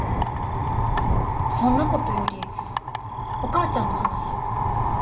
そんなことよりお母ちゃんの話。